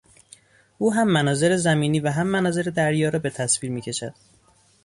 او هم مناظر زمینی و هم مناظر دریا را به تصویر میکشد.